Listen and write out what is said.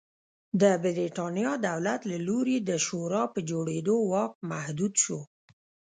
د برېټانیا دولت له لوري د شورا په جوړېدو واک محدود شو.